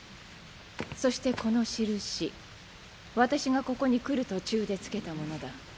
そしてこの印私がここに来る途中で付けたものだ。